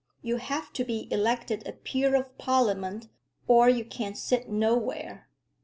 You have to be elected a Peer of Parliament, or you can sit nowhere.